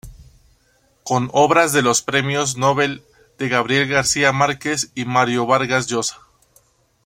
Con obras de los premios nobel de Gabriel García Márquez y Mario Vargas Llosa.